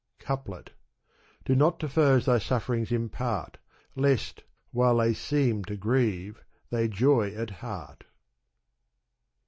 Couplet Do not to foes thy sufferings impart. Lest, while they seem to grieve, they joy at heart.